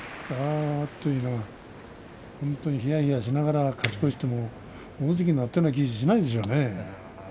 本当に、ひやひやしながら勝ち越しても大関になったような気はしないでしょうね。